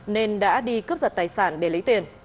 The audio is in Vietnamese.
nên đã đi cướp giật tài sản để lấy tiền